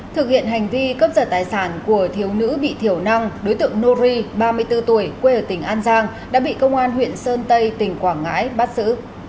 thực hiện hành vi cấp giật tài sản của thiếu nữ bị thiểu năng đối tượng nori ba mươi bốn tuổi quê ở tỉnh an giang đã bị công an huyện sơn tây tỉnh quảng ngãi bắt xử